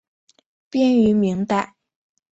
编于明代。